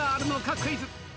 クイズ。